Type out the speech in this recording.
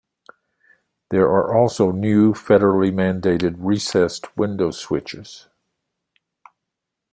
There are also new, federally mandated recessed window switches.